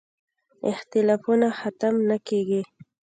اختلافونه ختم نه کېږي.